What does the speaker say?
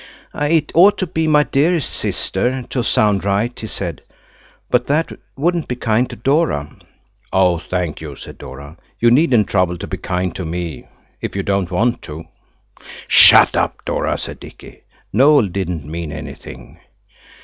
"It ought to be 'my dearest sister' to sound right," he said, "but that wouldn't be kind to Dora." "Thank you," said Dora. "You needn't trouble to be kind to me, if you don't want to." "Shut up, Dora!" said Dicky, "Noël didn't mean anything."